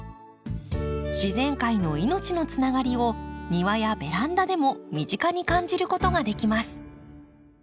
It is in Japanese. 自然界の命のつながりを庭やベランダでも身近に感じることができます。